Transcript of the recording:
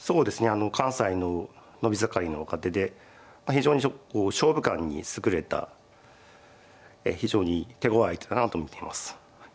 あの関西の伸び盛りの若手で非常に勝負勘に優れた非常に手ごわい相手だなと思っています。